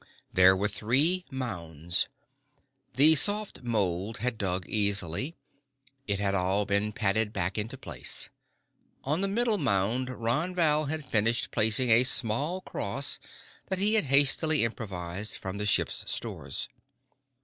There were three mounds. The soft mould had dug easily. It had all been patted back into place. On the middle mound Ron Val had finished placing a small cross that he had hastily improvised from the ship's stores.